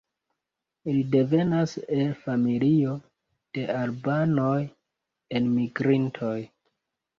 Li devenas el familio de albanoj enmigrintoj.